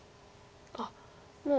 あっもう。